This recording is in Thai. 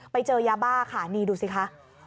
ไปเจอยาบ้าค่ะนี่ดูสิคะ